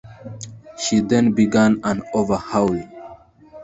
She then began an overhaul.